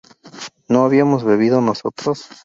¿no habíamos bebido nosotros?